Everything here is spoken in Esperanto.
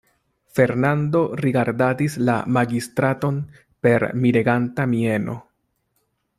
Fernando rigardadis la magistraton per mireganta mieno.